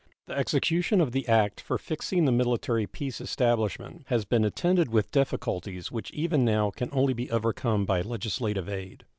The execution of the act for fixing the military peace establishment has been attended with difficulties which even now can only be overcome by legislative aid.